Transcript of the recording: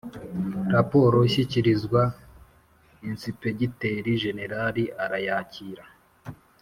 raporo ishyikirizwa Ensipegiteri Jenerali arayakira